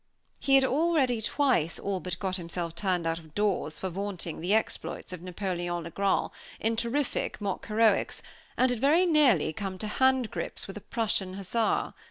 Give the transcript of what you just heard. He had already twice all but got himself turned out of doors for vaunting the exploits of Napoleon le Grand, in terrific mock heroics, and had very nearly come to hand grips with a Prussian hussar.